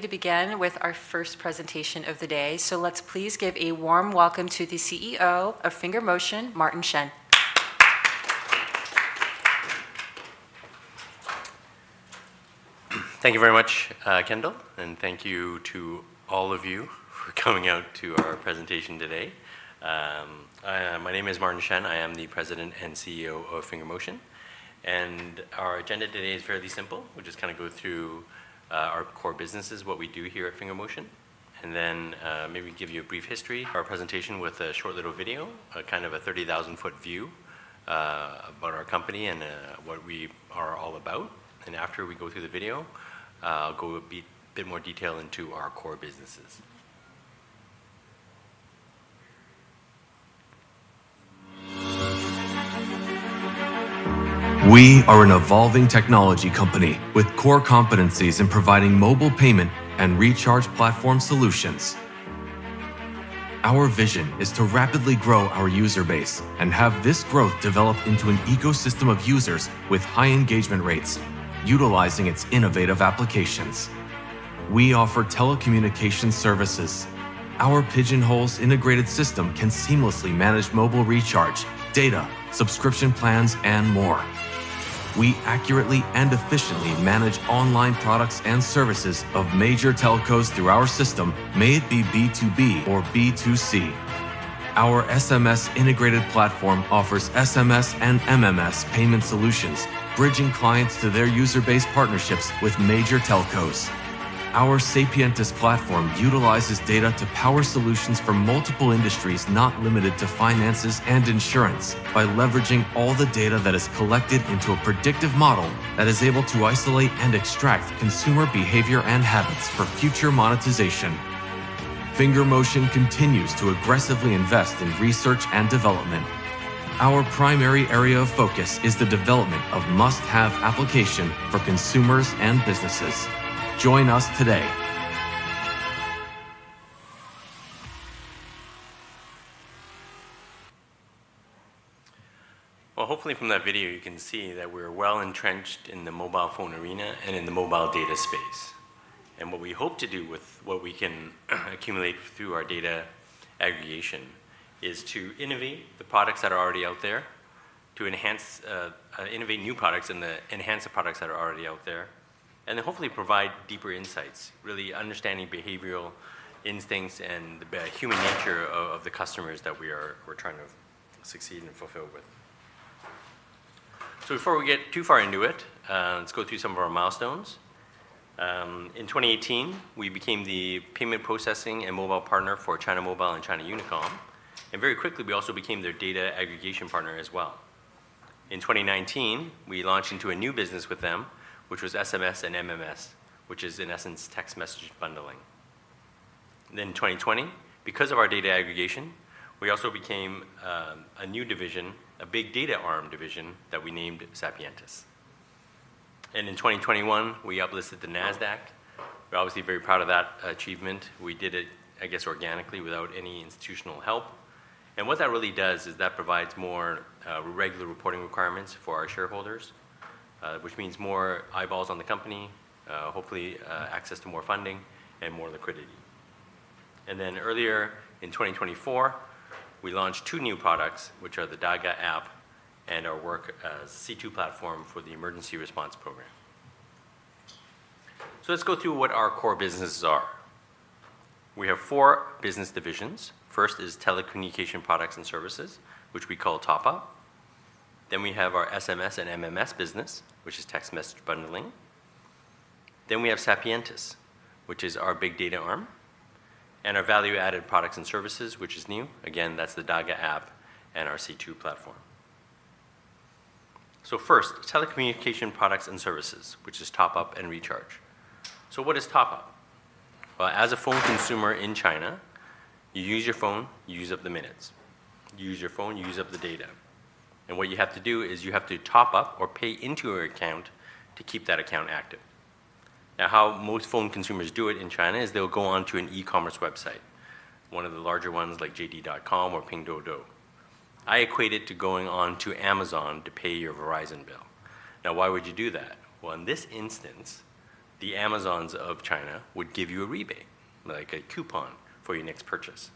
To begin with our first presentation of the day, let's please give a warm welcome to the CEO of FingerMotion, Martin Shen. Thank you very much, Kendall, and thank you to all of you for coming out to our presentation today. My name is Martin Shen. I am the President and CEO of FingerMotion. Our agenda today is fairly simple. We'll just kind of go through our core businesses, what we do here at FingerMotion, and then maybe give you a brief history. Presentation with a short little video, kind of a 30,000-foot view about our company and what we are all about. After we go through the video, I'll go a bit more detail into our core businesses. We are an evolving technology company with core competencies in providing mobile payment and recharge platform solutions. Our vision is to rapidly grow our user base and have this growth develop into an ecosystem of users with high engagement rates, utilizing its innovative applications. We offer telecommunication services. Our PigeonHole Integration System can seamlessly manage mobile recharge, data, subscription plans, and more. We accurately and efficiently manage online products and services of major telcos through our system, may it be B2B or B2C. Our SMS integrated platform offers SMS and MMS payment solutions, bridging clients to their user base partnerships with major telcos. Our Sapientus platform utilizes data to power solutions for multiple industries, not limited to finances and insurance, by leveraging all the data that is collected into a predictive model that is able to isolate and extract consumer behavior and habits for future monetization. FingerMotion continues to aggressively invest in research and development. Our primary area of focus is the development of must-have applications for consumers and businesses. Join us today. Hopefully from that video, you can see that we're well entrenched in the mobile phone arena and in the mobile data space. What we hope to do with what we can accumulate through our data aggregation is to innovate the products that are already out there, to innovate new products and enhance the products that are already out there, and then hopefully provide deeper insights, really understanding behavioral instincts and the human nature of the customers that we are trying to succeed and fulfill with. Before we get too far into it, let's go through some of our milestones. In 2018, we became the payment processing and mobile partner for China Mobile and China Unicom. Very quickly, we also became their data aggregation partner as well. In 2019, we launched into a new business with them, which was SMS and MMS, which is in essence, text message bundling. Then in 2020, because of our data aggregation, we also became a new division, a big data arm division that we named Sapientus. In 2021, we uplisted to the NASDAQ. We're obviously very proud of that achievement. We did it, I guess, organically without any institutional help. What that really does is that provides more regular reporting requirements for our shareholders, which means more eyeballs on the company, hopefully access to more funding and more liquidity. Earlier in 2024, we launched two new products, which are the Da Ge app and our work as C2 Platform for the emergency response program. Let's go through what our core businesses are. We have four business divisions. First is telecommunication products and services, which we call Top Up. We have our SMS and MMS business, which is text message bundling. We have Sapientus, which is our big data arm, and our value-added products and services, which is new. Again, that's the Da Ge app and our C2 Platform. First, telecommunication products and services, which is Top Up and Recharge. What is Top Up? As a phone consumer in China, you use your phone, you use up the minutes. You use your phone, you use up the data. What you have to do is you have to top up or pay into your account to keep that account active. How most phone consumers do it in China is they'll go onto an e-commerce website, one of the larger ones like JD.com or Pinduoduo. I equate it to going on to Amazon to pay your Verizon bill. Why would you do that? In this instance, the Amazons of China would give you a rebate, like a coupon for your next purchase.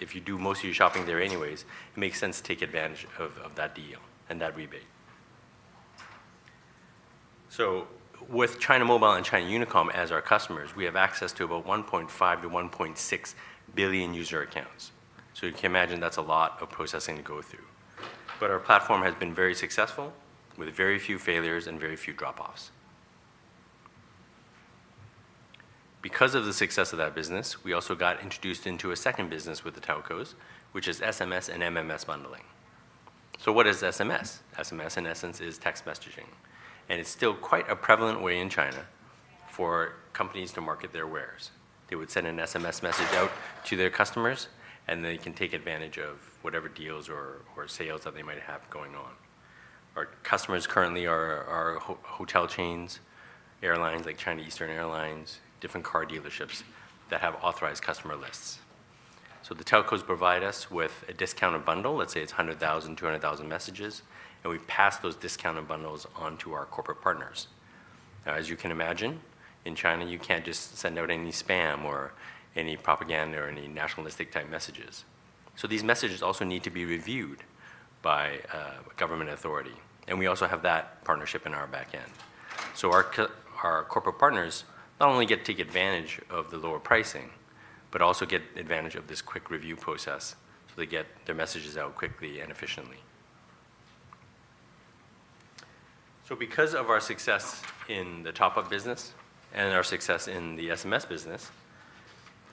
If you do most of your shopping there anyways, it makes sense to take advantage of that deal and that rebate. With China Mobile and China Unicom as our customers, we have access to about 1.5 billion-1.6 billion user accounts. You can imagine that's a lot of processing to go through. Our platform has been very successful with very few failures and very few drop-offs. Because of the success of that business, we also got introduced into a second business with the telcos, which is SMS and MMS bundling. What is SMS? SMS in essence is text messaging. It's still quite a prevalent way in China for companies to market their wares. They would send an SMS message out to their customers, and they can take advantage of whatever deals or sales that they might have going on. Our customers currently are hotel chains, airlines like China Eastern Airlines, different car dealerships that have authorized customer lists. The telcos provide us with a discounted bundle. Let's say it's 100,000-200,000 messages, and we pass those discounted bundles onto our corporate partners. As you can imagine, in China, you can't just send out any spam or any propaganda or any nationalistic type messages. These messages also need to be reviewed by a government authority. We also have that partnership in our back end. Our corporate partners not only get to take advantage of the lower pricing, but also get advantage of this quick review process so they get their messages out quickly and efficiently. Because of our success in the Top Up business and our success in the SMS business,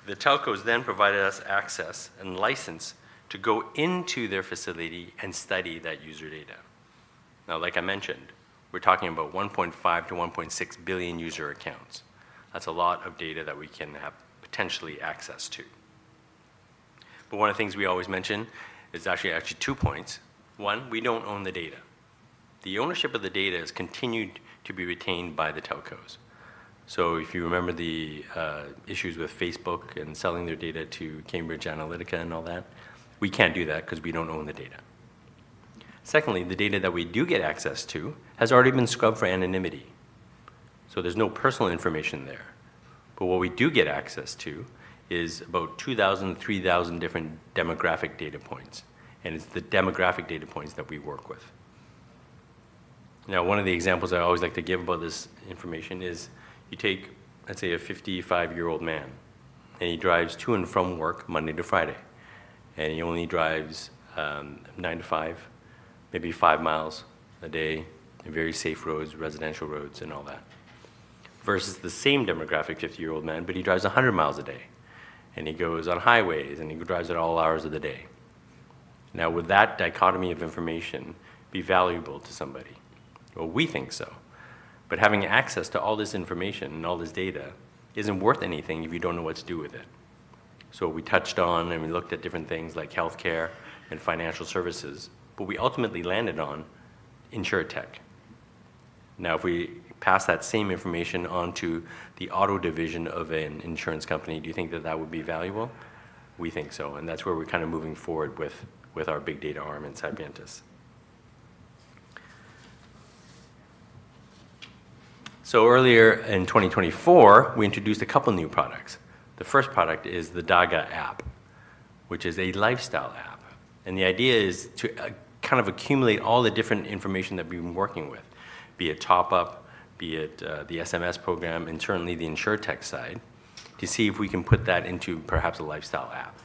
the telcos then provided us access and license to go into their facility and study that user data. Now, like I mentioned, we're talking about 1.5 billion-1.6 billion user accounts. That's a lot of data that we can have potentially access to. One of the things we always mention is actually two points. One, we don't own the data. The ownership of the data is continued to be retained by the telcos. If you remember the issues with Facebook and selling their data to Cambridge Analytica and all that, we can't do that because we don't own the data. Secondly, the data that we do get access to has already been scrubbed for anonymity. There's no personal information there. What we do get access to is about 2,000-3,000 different demographic data points. It is the demographic data points that we work with. One of the examples I always like to give about this information is you take, let's say, a 55-year-old man, and he drives to and from work Monday to Friday. He only drives 9:00 A.M.-5:00 P.M., maybe 5 mi a day, very safe roads, residential roads, and all that, versus the same demographic, 50-year-old man, but he drives 100 mi a day. He goes on highways, and he drives at all hours of the day. Would that dichotomy of information be valuable to somebody? We think so. Having access to all this information and all this data is not worth anything if you do not know what to do with it. We touched on and we looked at different things like healthcare and financial services, but we ultimately landed on Insur Tech. Now, if we pass that same information onto the auto division of an insurance company, do you think that that would be valuable? We think so. That is where we are kind of moving forward with our big data arm and Sapientus. Earlier in 2024, we introduced a couple of new products. The first product is the Da Ge app, which is a lifestyle app. The idea is to kind of accumulate all the different information that we have been working with, be it Top Up, be it the SMS program, and certainly the Insur Tech side, to see if we can put that into perhaps a lifestyle app.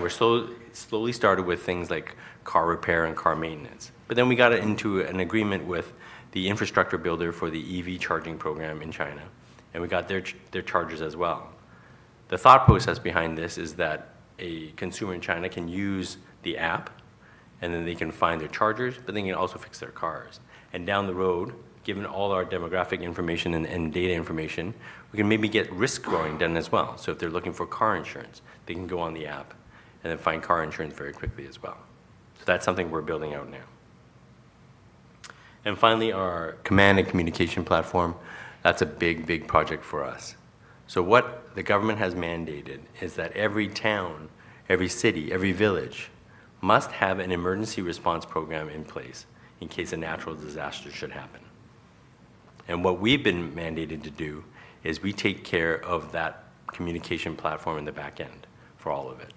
We slowly started with things like car repair and car maintenance. Then we got into an agreement with the infrastructure builder for the EV charging program in China. We got their chargers as well. The thought process behind this is that a consumer in China can use the app, and they can find their chargers, but they can also fix their cars. Down the road, given all our demographic information and data information, we can maybe get risk going down as well. If they're looking for car insurance, they can go on the app and find car insurance very quickly as well. That's something we're building out now. Finally, our command and communication platform, that's a big, big project for us. What the government has mandated is that every town, every city, every village must have an emergency response program in place in case a natural disaster should happen. What we've been mandated to do is we take care of that communication platform in the back end for all of it.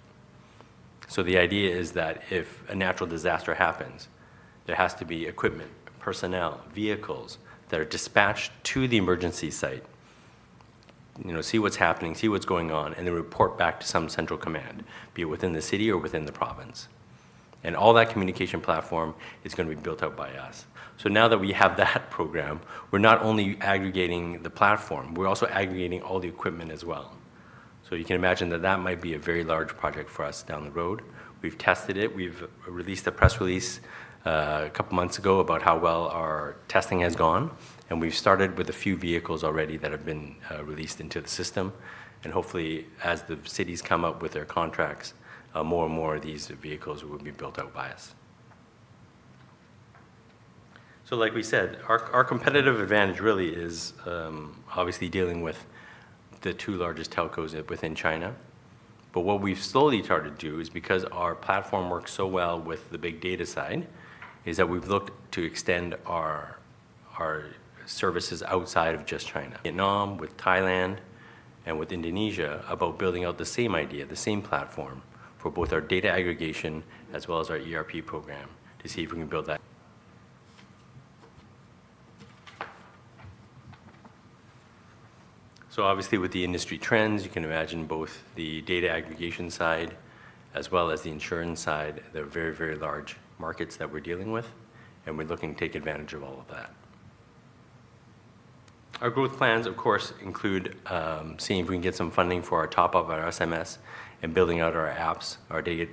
The idea is that if a natural disaster happens, there has to be equipment, personnel, vehicles that are dispatched to the emergency site, see what's happening, see what's going on, and then report back to some central command, be it within the city or within the province. All that communication platform is going to be built out by us. Now that we have that program, we're not only aggregating the platform, we're also aggregating all the equipment as well. You can imagine that that might be a very large project for us down the road. We've tested it. We released a press release a couple of months ago about how well our testing has gone. We have started with a few vehicles already that have been released into the system. Hopefully, as the cities come up with their contracts, more and more of these vehicles will be built out by us. Like we said, our competitive advantage really is obviously dealing with the two largest telcos within China. What we have slowly started to do is, because our platform works so well with the big data side, we have looked to extend our services outside of just China. Vietnam, Thailand, and Indonesia are being considered for building out the same idea, the same platform for both our data aggregation as well as our ERP program to see if we can build that. Obviously, with the industry trends, you can imagine both the data aggregation side as well as the insurance side are very, very large markets that we are dealing with. We are looking to take advantage of all of that. Our growth plans, of course, include seeing if we can get some funding for our Top Up, our SMS, and building out our apps, our Da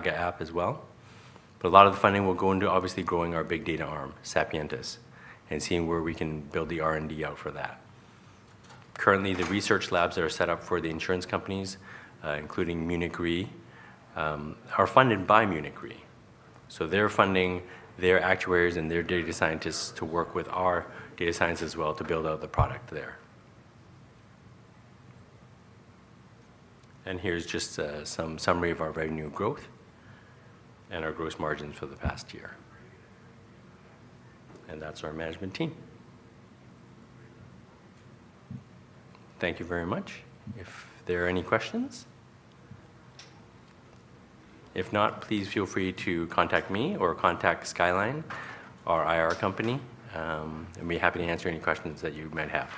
Ge app as well. A lot of the funding will go into obviously growing our big data arm, Sapientus, and seeing where we can build the R&D out for that. Currently, the research labs that are set up for the insurance companies, including Munich Re, are funded by Munich Re. They are funding their actuaries and their data scientists to work with our data science as well to build out the product there. Here is just some summary of our revenue growth and our gross margins for the past year. That is our management team. Thank you very much. If there are any questions, if not, please feel free to contact me or contact Skyline, our IR company. I'll be happy to answer any questions that you might have.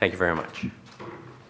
Thank you very much.